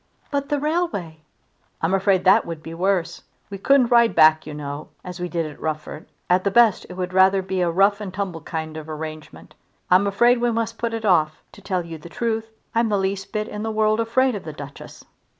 "But the railway!" "I'm afraid that would be worse. We couldn't ride back, you know, as we did at Rufford. At the best it would be rather a rough and tumble kind of arrangement. I'm afraid we must put it off. To tell you the truth I'm the least bit in the world afraid of the Duchess."